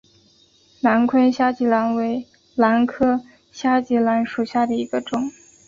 南昆虾脊兰为兰科虾脊兰属下的一个种。